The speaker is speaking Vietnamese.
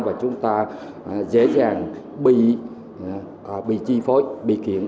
và chúng ta dễ dàng bị chi phối bị kiểm